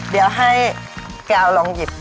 เดี๋ยวให้กล่าวลงหยิบ